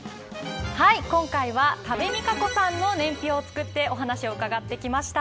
今回は、多部未華子さんの年表を作ってお話を伺ってきました。